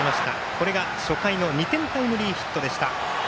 これが初回の２点タイムリーヒット。